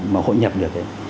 mà hội nhập được ấy